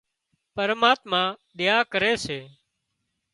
پرماتما ۮيا ڪري سي